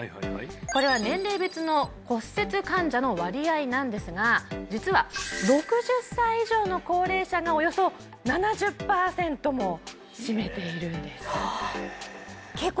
これは年齢別の骨折患者の割合なんですが実は６０歳以上の高齢者がおよそ７０パーセントも占めているんです結構